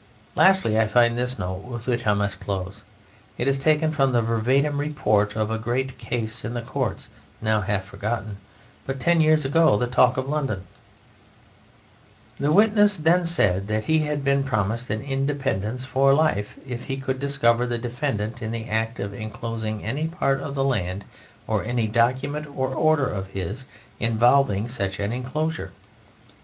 Lastly, I find this note with which I must close: it is taken from the verbatim report of a great case in the courts, now half forgotten, but ten years ago the talk of London: "The witness then said that he had been promised an independence for life if he could discover the defendant in the act of enclosing any part of the land, or any document or order of his involving such an enclosure.